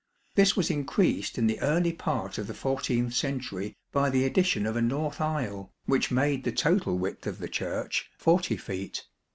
This was increased in the early part of the 14th century by the addition of a north aisle, which made the total width of the Church 40 feet.